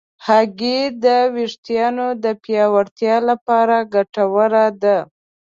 هګۍ د ویښتانو د پیاوړتیا لپاره ګټوره ده.